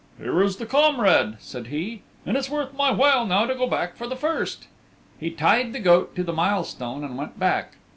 "Here is the comrade," said he, "and it's worth my while now to go back for the first." He tied the goat to the mile stone and went back.